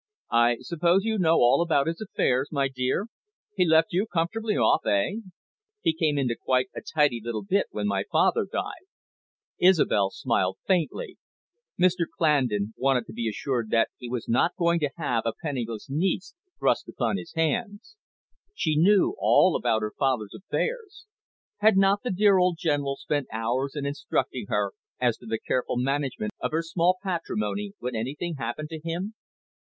"I suppose you know all about his affairs, my dear? He has left you comfortably off, eh? He came into quite a tidy little bit when my father died." Isobel smiled faintly. Mr Clandon wanted to be assured that he was not going to have a penniless niece thrust upon his hands. She knew all about her father's affairs. Had not the dear old General spent hours in instructing her as to the careful management of her small patrimony, when anything happened to him?